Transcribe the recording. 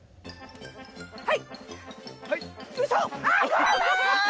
はい！